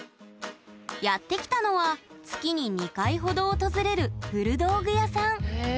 やって来たのは月に２回ほど訪れる古道具屋さんへえ。